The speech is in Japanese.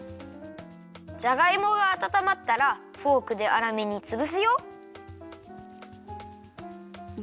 じゃがいもがあたたまったらフォークであらめにつぶすよ。